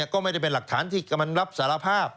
ก็ไม่ได้เป็นหลักฐานที่กำลังรับสารภาพ